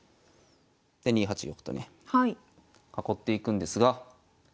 で２八玉とね囲っていくんですが。